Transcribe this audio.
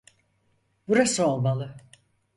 Burası olmalı.